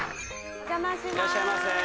お邪魔します